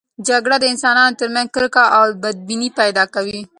جګړه د انسانانو ترمنځ کرکه او بدبیني پیدا کوي.